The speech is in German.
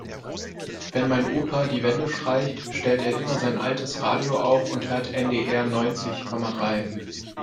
Wenn mein Opa die Wände streicht, stellt er immer sein altes Radio auf und hört NDR neunzig Komma drei.